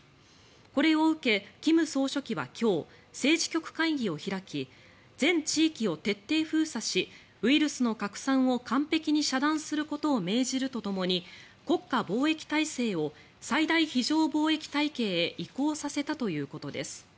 これを受け、金総書記は今日政治局会議を開き全地域のを徹底封鎖しウイルスの拡散を完璧に遮断することを命じるとともに国家防疫体制を最大非常防疫体系へ移行させたということです。